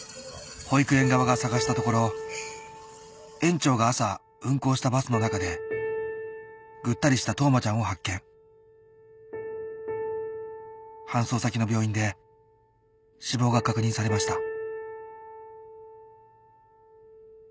保育園側が捜したところ園長が朝運行したバスの中でぐったりした冬生ちゃんを発見搬送先の病院で死亡が確認されました